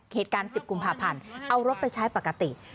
เหตุการณ์๑๐กุมภาพันธ์เอารถไปใช้ปกติ